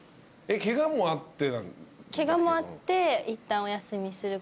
ケガもあって。